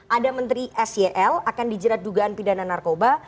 ada menteri sel akan dijerat dugaan pidana narkoba